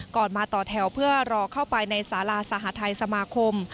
มาต่อแถวเพื่อรอเข้าไปในสาราสหทัยสมาคม